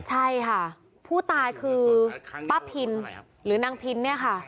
ใช่ค่ะผู้ตายคือป้าพินหรือนางพินเนี่ยค่ะ